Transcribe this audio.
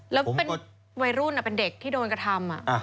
แล้วเป็นวัยรุ่นเป็นเด็กที่โดนกระทำ